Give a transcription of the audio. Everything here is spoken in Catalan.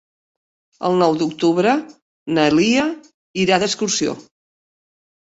El nou d'octubre na Lia irà d'excursió.